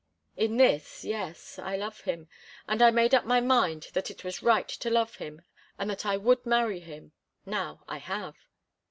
"In this yes. I love him, and I made up my mind that it was right to love him and that I would marry him. Now I have."